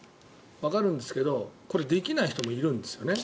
わかるんですけどこれ、できない人もいるんです。